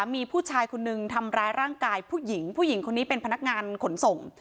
มีผู้ชายคนนึงทำร้ายร่างกายผู้หญิงผู้หญิงคนนี้เป็นพนักงานขนส่ง